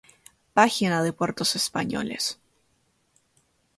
Página de Puertos españoles